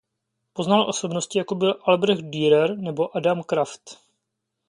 Poznal osobnosti jako byl Albrecht Dürer nebo Adam Kraft.